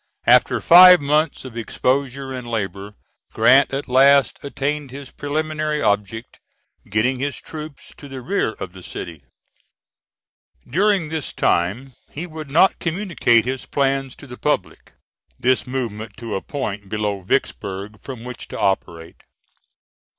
After five months of exposure and labor Grant at last attained his preliminary object, getting his troops to the rear of the city. During this time he would not communicate his plans to the public this movement to a point below Vicksburg from which to operate.